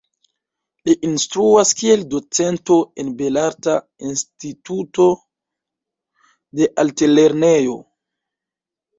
Li instruas kiel docento en belarta instituto de altlernejo.